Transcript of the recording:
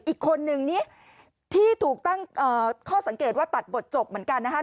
อีกคนนึงนี้ที่ถูกตั้งข้อสังเกตว่าตัดบทจบเหมือนกันนะคะ